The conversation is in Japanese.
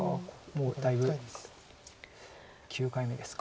もうだいぶ９回目ですか。